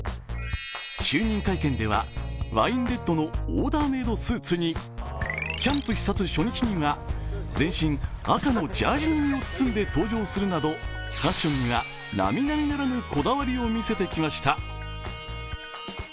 就任会見ではワインレッドのオーダーメードスーツにキャンプ視察初日には全身、赤のジャージーに身を包んで登場するなどファッションには、なみなみならぬこだわりを見せてきました。